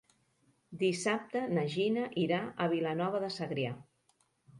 Dissabte na Gina irà a Vilanova de Segrià.